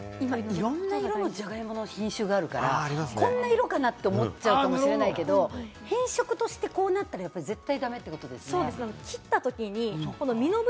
いろんな色のジャガイモの品種があるから、こんな色かなって思っちゃうかもしれないけれども、変色してこうなったら絶対だめってことですね。